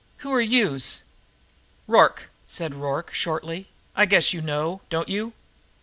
"Who are youse?" "Rorke," said Rorke shortly. "I guess you know, don't you?"